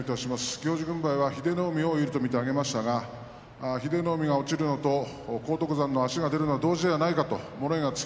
行司軍配は英乃海を有利と見て上げましたが英乃海の落ちるのと荒篤山の足が出るのが同時ではないかと物言いがつき